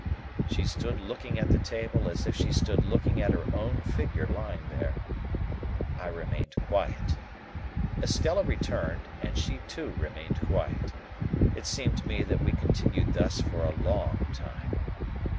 She stood looking at the table as if she stood looking at her own figure lying there. I remained quiet. Estella returned, and she too remained quiet. It seemed to me that we continued thus for a long time.